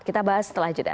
kita bahas setelah jeda